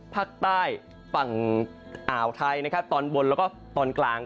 ภาคใต้ฝั่งอ่าวไทยนะครับตอนบนแล้วก็ตอนกลาง